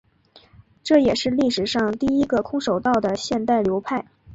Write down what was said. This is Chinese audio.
这也是历史上第一个空手道的现代流派。